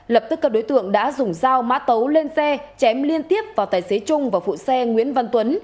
lập tức các đối tượng đã dùng dao mã tấu lên xe chém liên tiếp vào tài xế trung và phụ xe nguyễn văn tuấn